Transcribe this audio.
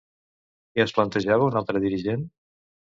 Què es plantejava un altre dirigent?